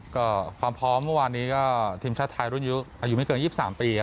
ก็ความพร้อมเมื่อวานนี้ก็ทีมชาติไทยรุ่นยุคอายุไม่เกินยี่สามปีครับ